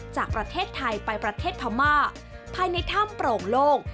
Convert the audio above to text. จากประเทศไทยไปประเทศพม่าภายในถ้ำโปร่งโล่ง